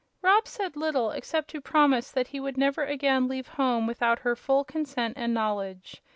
Rob said little, except to promise that he would never again leave home without her full consent and knowledge.